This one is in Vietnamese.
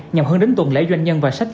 nhằm hướng đến tuần lễ doanh nhân và sách